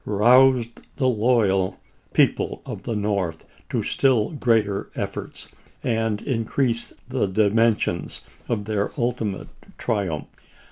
roused the loyal people of the North to still greater efforts and increased the dimensions of their ulti mate triumph.